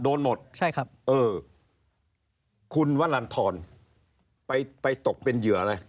โดนหมดเออคุณวัลลันทรไปตกเป็นเหยื่ออะไร